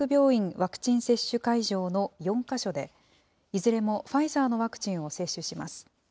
ワクチン接種会場の４か所で、いずれもファイザーのワクチンを接種します。